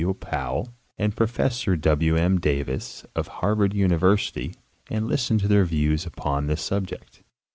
W. Powell and Professor W. M. Davis of Harvard University and listen to their views upon this subject.